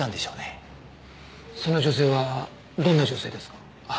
その女性はどんな女性ですか？